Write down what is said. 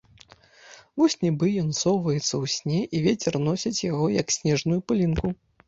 Вось нібы ён соваецца ў сне і вецер носіць яго, як снежную пылінку.